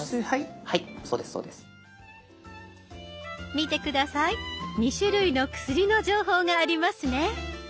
見て下さい２種類の薬の情報がありますね。